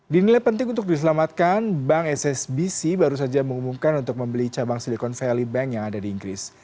dinilai penting untuk diselamatkan bank ssbc baru saja mengumumkan untuk membeli cabang silicon valley bank yang ada di inggris